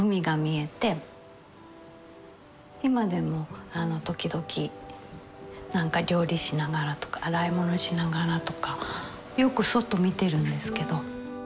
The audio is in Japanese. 今でも時々なんか料理しながらとか洗い物しながらとかよく外見てるんですけど。